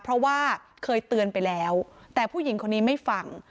เพราะว่าเคยเตือนไปแล้วแต่ผู้หญิงคนนี้ไม่ฟัง